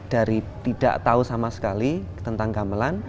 dari tidak tahu sama sekali tentang gamelan